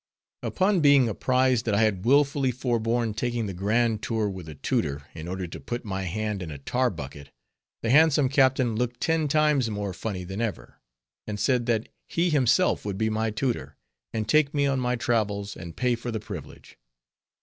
Upon being apprized, that I had willfully forborne taking the grand tour with a tutor, in order to put my hand in a tar bucket, the handsome captain looked ten times more funny than ever; and said that he himself would be my tutor, and take me on my travels, and pay for the privilege.